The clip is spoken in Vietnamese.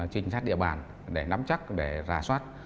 chính sách địa bàn để nắm chắc để rà soát